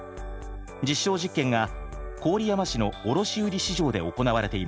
実証実験が郡山市の卸売市場で行われています。